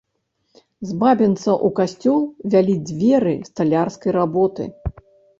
З бабінца ў касцёл вялі дзверы сталярскай работы.